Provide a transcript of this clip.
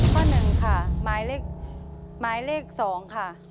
๑ค่ะหมายเลข๒ค่ะ